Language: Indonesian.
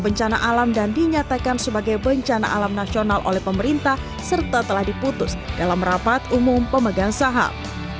bencana alam dan dinyatakan sebagai bencana alam nasional oleh pemerintah serta telah diputus dalam rapat umum pemegang saham